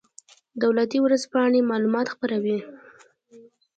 دولتي ورځپاڼې معلومات خپروي